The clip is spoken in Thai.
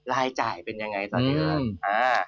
รายจ่ายเป็นยังไงต่อเดือน